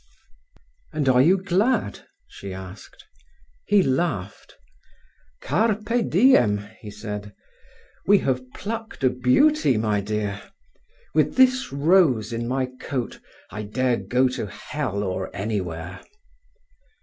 "And you are glad?" she asked. He laughed. "Carpe diem," he said. "We have plucked a beauty, my dear. With this rose in my coat I dare go to hell or anywhere."